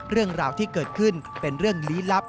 เรื่องราวที่เกิดขึ้นเป็นเรื่องลี้ลับ